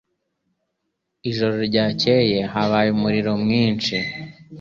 Ijoro ryakeye habaye umuriro mwinshi